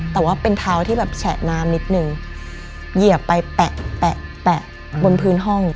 แต่ว่าเป็นเท้าที่แบบแฉะน้ำนิดนึงเหยียบไปแปะแปะบนพื้นห้อง